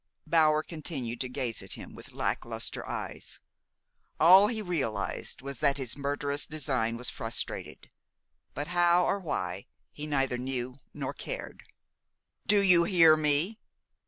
Bower continued to gaze at him with lack luster eyes. All he realized was that his murderous design was frustrated; but how or why he neither knew nor cared. "Do you hear me?"